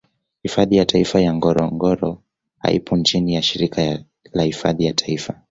Hifadhi ya Taifa ya Ngorongoro haipo chini ya shirika la hifadhi ya Taifa